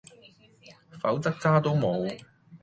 否則渣都無